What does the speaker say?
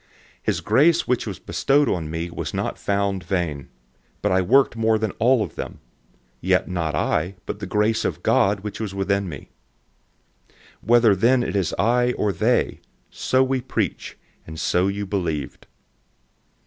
His grace which was bestowed on me was not futile, but I worked more than all of them; yet not I, but the grace of God which was with me. 015:011 Whether then it is I or they, so we preach, and so you believed.